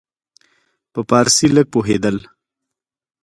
په فارسي لږ پوهېدل.